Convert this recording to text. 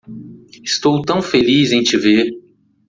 Estou tão feliz em te ver.